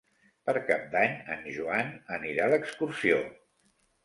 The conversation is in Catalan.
Per Cap d'Any en Joan anirà d'excursió.